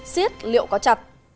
xiết liệu có chặt